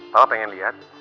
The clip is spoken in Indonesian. papa pengen liat